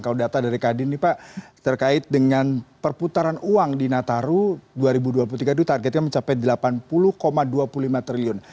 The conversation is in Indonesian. kalau data dari kadin nih pak terkait dengan perputaran uang di nataru dua ribu dua puluh tiga itu targetnya mencapai delapan puluh dua puluh lima triliun